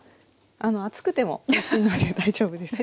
厚くてもおいしいので大丈夫です。